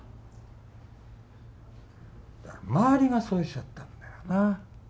周りがそうしちゃったんだよな。